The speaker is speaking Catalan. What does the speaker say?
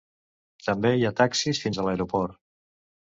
També hi ha taxis fins a l'aeroport.